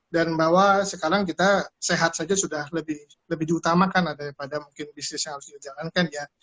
dan bahwa sekarang kita sehat saja sudah lebih diutamakan daripada mungkin bisnis yang harus kita jalankan ya